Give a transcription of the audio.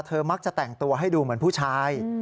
มักจะแต่งตัวให้ดูเหมือนผู้ชาย